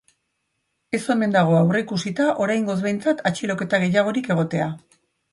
Ez omen dago aurreikusita, oraingoz behintzat, atxiloketa gehiagorik egotea.